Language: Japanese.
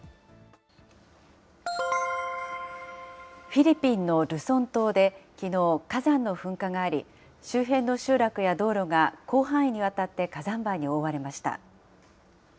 フィリピンのルソン島で、きのう、火山の噴火があり、周辺の集落や道路が広範囲にわたって火山灰に覆われました。